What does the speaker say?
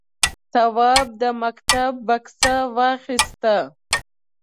تواب د مکتب بکسه واخیسته.